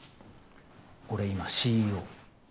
俺今ＣＥＯ。